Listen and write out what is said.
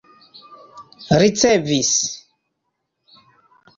ricevis